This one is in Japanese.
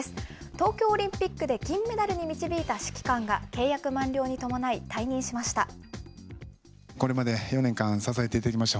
東京オリンピックで金メダルに導いた指揮官が、契約満了に伴い退任しました。